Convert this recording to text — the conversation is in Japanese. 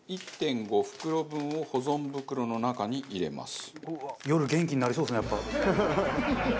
袋分を保存袋の中に入れます。